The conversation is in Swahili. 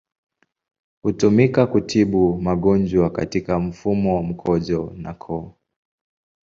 Hutumika kutibu magonjwa katika mfumo wa mkojo na koo.